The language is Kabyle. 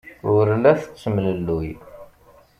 Ur la tettemlelluy.